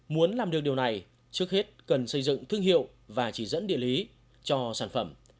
muốn làm được điều này trước hết cần xây dựng thương hiệu và chỉ dẫn địa lý cho sản phẩm